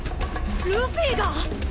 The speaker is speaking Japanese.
ルフィが！？